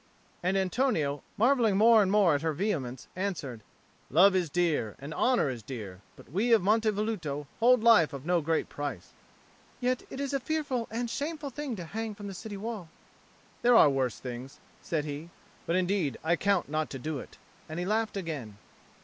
And Antonio, marvelling more and more at her vehemence, answered, "Love is dear, and honour is dear; but we of Monte Velluto hold life of no great price." "Yet it is a fearful and shameful thing to hang from the city wall." "There are worse things," said he. "But indeed I count not to do it;" and he laughed again.